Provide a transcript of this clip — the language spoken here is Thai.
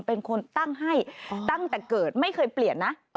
เป็นคนตั้งให้ตั้งแต่เกิดไม่เคยเปลี่ยนนะ